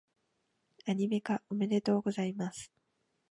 アニメ化、おめでとうございます！